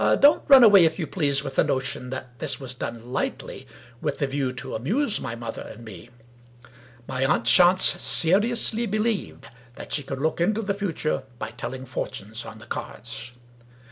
Don't run away, if you please, with the notion that this was done lightly, with a view to amuse my mother and me. My aunt Chance seriously believed that she could look into the future by telling fortunes on the cards.